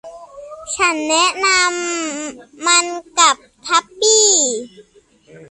ฉันแนะนำมันกับทับปี้